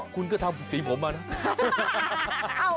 คุณก็ทำสีผมมานะ